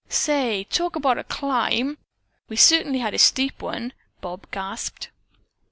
"Say, talk about a climb! We certainly had a steep one!" Bob gasped.